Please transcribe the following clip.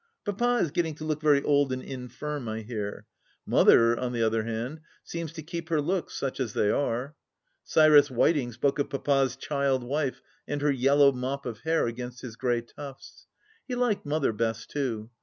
Papa is getting to look very old and infirm, I hear. Mother, on the other hand, seems to keep her looks, such as they are. Cyrus Whiteing spoke of Papa's " child wife " and her yellow mop of hair against his grey tufts. He liked Mother best too.